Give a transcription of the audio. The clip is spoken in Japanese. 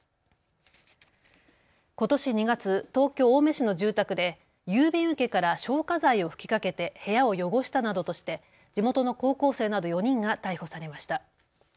ことし２月東京、青梅市の住宅で郵便受けから消火剤を吹きかけて部屋を汚したなどとして地元の高校生など４人が逮捕されました。